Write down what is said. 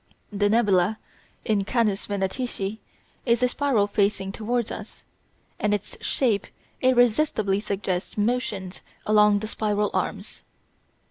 The nebula in Canes Venatici is a spiral facing towards us, and its shape irresistibly suggests motions along the spiral arms.